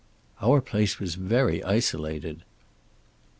"Our place was very isolated."